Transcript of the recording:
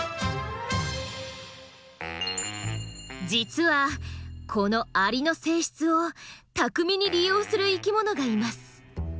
実はこのアリの性質を巧みに利用する生きものがいます。